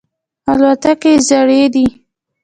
الوتکې یې زړې دي.